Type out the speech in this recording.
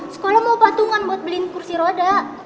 sekolah mau patungan buat beliin kursi roda